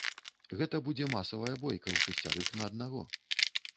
Гэта будзе масавая бойка ўшасцярых на аднаго.